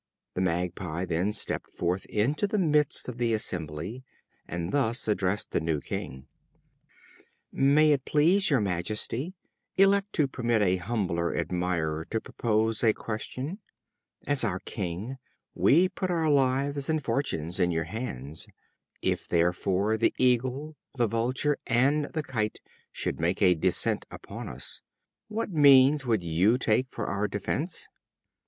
The Magpie then stepped forth into the midst of the assembly, and thus addressed the new king: "May it please your majesty, elect to permit a humble admirer to propose a question. As our king, we put our lives and fortunes in your hands. If, therefore, the Eagle, the Vulture, and the Kite, should make a descent upon us, what means would you take for our defense?"